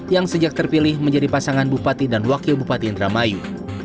yang sejak terpilih menjadi pasangan bupati dan wakil bupati indramayu